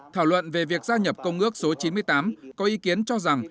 thảo luận về việc gia nhập công ước số chín mươi tám có ý kiến cho rằng